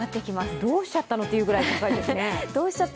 どうしちゃったのと言うぐらい高いですね。